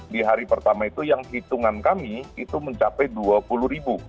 di hari pertama itu yang hitungan kami itu mencapai dua puluh ribu